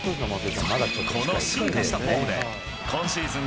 この進化したフォームで、今シーズン